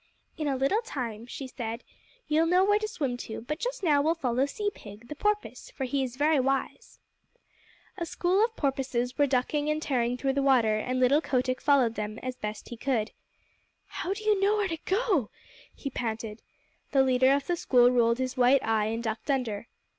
"In a little time," she said, "you'll know where to swim to, but just now we'll follow Sea Pig, the Porpoise, for he is very wise." A school of porpoises were ducking and tearing through the water, and little Kotick followed them as fast as he could. "How do you know where to go to?" he panted. The leader of the school rolled his white eye and ducked under.